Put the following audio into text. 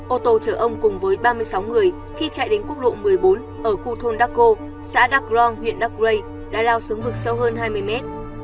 ô tô chở ông cùng với ba mươi sáu người khi chạy đến quốc lộ một mươi bốn ở khu thôn darko xã dark long huyện dark lake đã lao xuống vực sâu hơn hai mươi mét